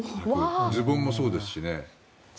ズボンもそうですしね。